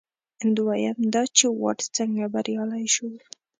دویم دا چې واټ څنګه بریالی شو.